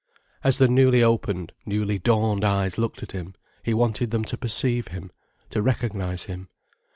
As the newly opened, newly dawned eyes looked at him, he wanted them to perceive him, to recognize him.